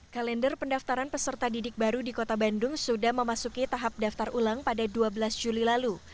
kalender pendaftaran peserta didik baru di kota bandung sudah memasuki tahap daftar ulang pada dua belas juli lalu